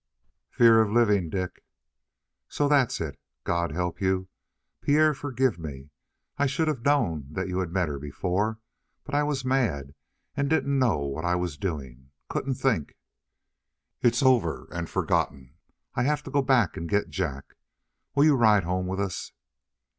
"Fear of living, Dick." "So that's it? God help you. Pierre, forgive me. I should have known that you had met her before, but I was mad, and didn't know what I was doing, couldn't think." "It's over and forgotten. I have to go back and get Jack. Will you ride home with us?"